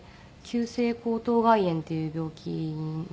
急性喉頭蓋炎っていう病気になって。